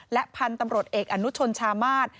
และพันธุ์ตำรวจเอกอนุชนชามาศ